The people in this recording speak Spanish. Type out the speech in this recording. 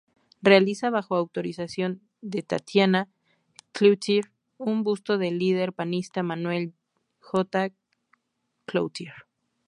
Realiza bajo autorización de Tatiana Clouthier un busto del líder Panista Manuel J. Clouthier.